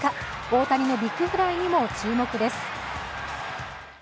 大谷のビックフライにも注目です。